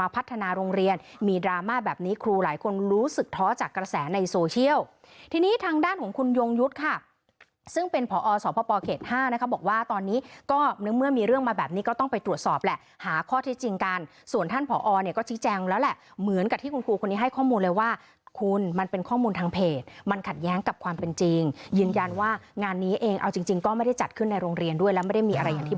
พัฒนาโรงเรียนมีดราม่าแบบนี้ครูหลายคนรู้สึกท้อจากกระแสในโซเชียลที่นี้ทางด้านของคุณยงยุทธ์ค่ะซึ่งเป็นผอสพเขต๕บอกว่าตอนนี้ก็เมื่อมีเรื่องมาแบบนี้ก็ต้องไปตรวจสอบและหาข้อที่จริงกันส่วนท่านผอก็จิ๊กแจงแล้วแหละเหมือนกับที่คุณครูคนนี้ให้ข้อมูลเลยว่าคุณมันเป็นข้อม